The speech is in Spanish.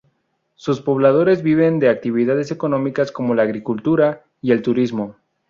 Sus pobladores viven de actividades económicas como la agricultura y el turismo.